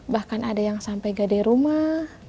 bahkan ada yang sampai gade rumah